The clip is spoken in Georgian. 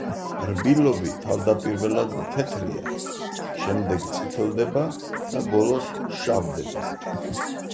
რბილობი თავდაპირველად თეთრია, შემდეგ წითლდება და ბოლოს შავდება.